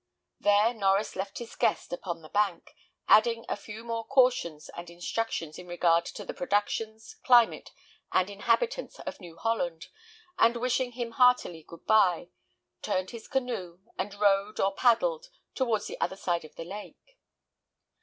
There Norries left his guest upon the bank, adding a few more cautions and instructions in regard to the productions, climate, and inhabitants of New Holland; and wishing him heartily good bye, turned his canoe, and rowed, or paddled, towards the other side of the lake.